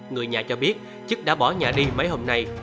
người nhà cho biết chức đã bỏ nhà đi mấy hôm nay